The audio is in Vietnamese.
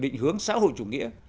định hướng xã hội chủ nghĩa